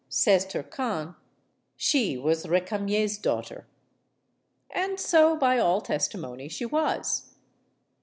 Says Turquan: "She was Recamier's daughter." And so, by all testimony, she was.